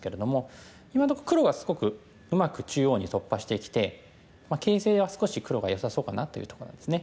今のところ黒がすごくうまく中央に突破してきて形勢は少し黒がよさそうかなというとこなんですね。